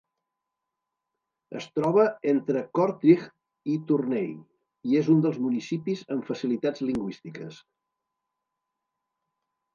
Es troba entre Kortrijk i Tournai, i és un dels municipis amb facilitats lingüístiques.